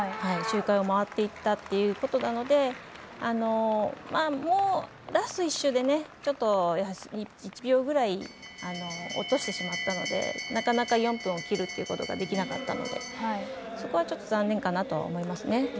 周回を回っていったということなのでラスト１周で、１秒ぐらい落としてしまったのでなかなか４分を切るってことができなかったのでそこはちょっと残念かなとは思いますね。